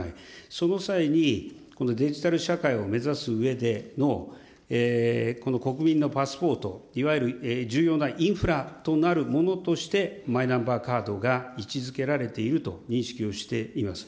その際にデジタル社会を目指すうえでの、この国民のパスポート、いわゆる重要なインフラとなるものとして、マイナンバーカードが位置づけられていると認識をしています。